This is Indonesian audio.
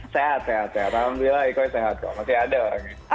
sehat sehat ya alhamdulillah ikoi sehat kok masih ada orangnya